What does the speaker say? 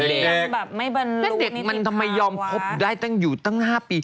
แล้วเด็กมันทำไมยอมคบได้ตั้งอยู่ตั้ง๕ปี